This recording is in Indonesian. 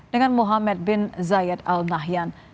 dengan muhammad bin zayed al nahyan